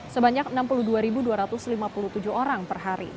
sebanyak enam puluh dua dua ratus lima puluh tujuh orang per hari